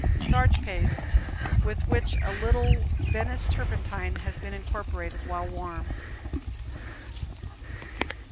Starch paste, with which a little Venice turpentine has been incorporated while warm.